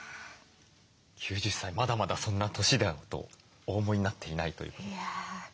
９０歳まだまだそんな年だとお思いになっていないということで。